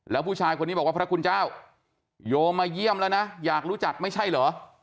แล้วผู้ชายคนนี้บอกว่าพระคุณเจ้าโยมมาเยี่ยมแล้วนะอยากรู้จักไม่ใช่เหรอ